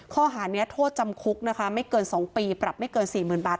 ข้อหานี้โทษจำคุกนะคะไม่เกิน๒ปีปรับไม่เกิน๔๐๐๐บาท